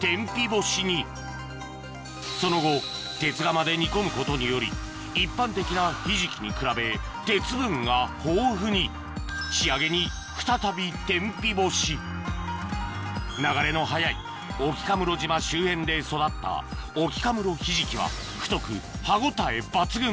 干しにその後鉄釜で煮込むことにより一般的なひじきに比べ鉄分が豊富に仕上げに再び天日干し流れの速い沖家室島周辺で育った沖家室ひじきは太く歯ごたえ抜群！